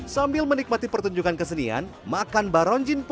sambil menikmati pertunjukan kesenian makan baronjin pun